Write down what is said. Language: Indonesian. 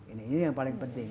ini yang paling penting